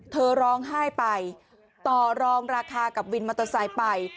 เธอร้องไห้ไปต่อรองราคากับวินมอเตอร์ไซค์ไป